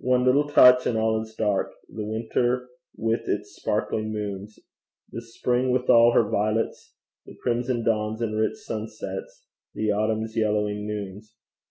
One little touch and all is dark; The winter with its sparkling moons The spring with all her violets, The crimson dawns and rich sunsets, The autumn's yellowing noons.